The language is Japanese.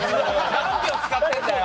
何秒使ってんだよ！